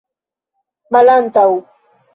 malantaŭ